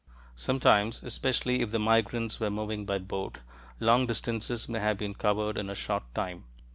Sometimes, especially if the migrants were moving by boat, long distances may have been covered in a short time.